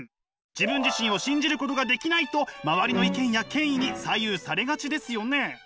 自分自身を信じることができないと周りの意見や権威に左右されがちですよね。